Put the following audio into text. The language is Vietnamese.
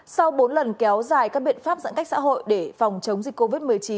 sau bốn lần kéo dài các biện pháp giãn cách xã hội để phòng chống dịch covid một mươi chín